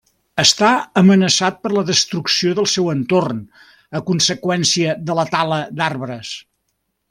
Està amenaçat per la destrucció del seu entorn a conseqüència de la tala d'arbres.